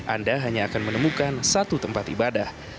anda hanya akan menemukan satu tempat ibadah